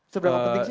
seberapa penting sih